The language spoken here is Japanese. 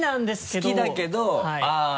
好きだけどあぁ。